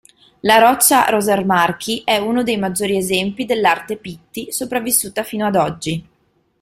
La roccia Rosermarkie è uno dei maggiori esempi dell'arte Pitti, sopravvissuta fino ad oggi.